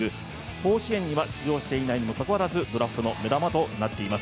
甲子園には出場していないにもかかわらずドラフトの目玉となっています。